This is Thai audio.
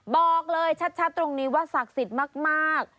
บอกเลยชัดตรงนี้ว่าศักดิ์สิทธิ์มาก